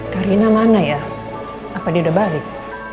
karina mana ya apa dia udah balik